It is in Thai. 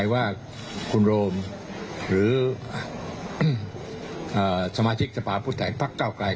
ว่าคุณโรมหรือสมาชิกสภาพุทธแห่งภาคเก้าไกร